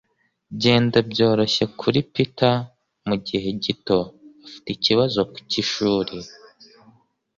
Genda byoroshye kuri Peter mugihe gito - afite ikibazo cyishuri